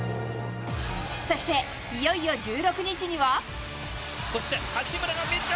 そして、いよいよ１６日には。